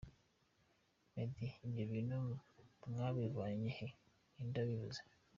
Meddy: Ibyo bintu mwabivanye he? Ninde wabivuze?.